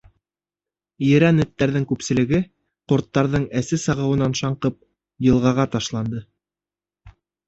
Ерән эттәрҙең күпселеге, ҡорттарҙың әсе сағыуынан шаңҡып, йылғаға ташланды.